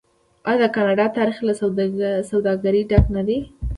آیا د کاناډا تاریخ له سوداګرۍ ډک نه دی؟